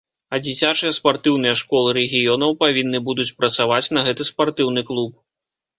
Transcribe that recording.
А дзіцячыя спартыўныя школы рэгіёнаў павінны будуць працаваць на гэты спартыўны клуб.